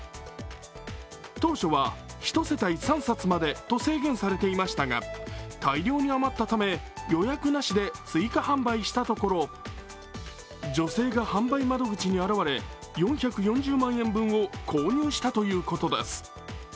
当初は１世帯３冊までと制限されていましたが、大量に余ったため、予約なしで追加販売したところ女性が販売窓口に現れ、４４０万円分を購入したということです。